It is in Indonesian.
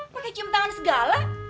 pakai cium tangan segala